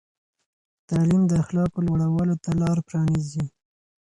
تعلیم د اخلاقو لوړولو ته لار پرانیزي.